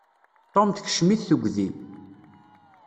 Tom tekcem-it tegdi.